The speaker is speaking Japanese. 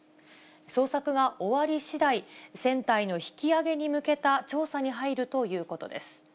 捜索が終わりしだい、船体の引き揚げに向けた調査に入るということです。